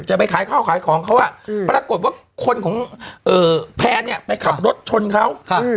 จะไปขายข้าวขายของเขาอ่ะอืมปรากฏว่าคนของเอ่อแพนเนี้ยไปขับรถชนเขาค่ะ